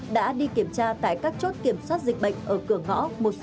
đã đi kiểm tra tại các chốt kiểm soát dịch bệnh ở cửa ngõ